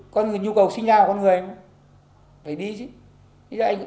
có những nhu cầu sinh ra của con người phải đi chứ